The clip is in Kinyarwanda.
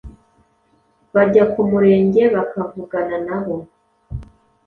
bajya kumurenge bakavugana nabo